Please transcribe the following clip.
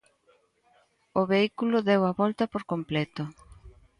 O vehículo deu a volta por completo.